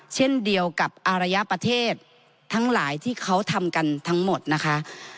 เช่นเดียวกับอารยประเทศทั้งหลายที่เขาทำกันทั้งหมดนะคะ